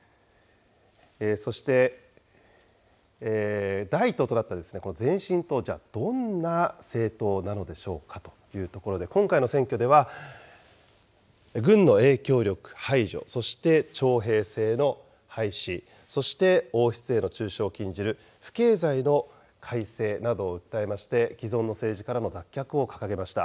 そして、第１党となったこの前進党、じゃあどんな政党なのでしょうかというところで、今回の選挙では、軍の影響力排除、そして徴兵制の廃止、そして王室への中傷を禁じる不敬罪の改正などを訴えまして、既存の政治からの脱却を掲げました。